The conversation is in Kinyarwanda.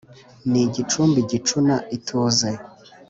Ni igicumbi gicuna ituze,